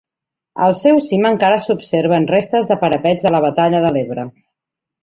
Al seu cim encara s'observen restes de parapets de la batalla de l'Ebre.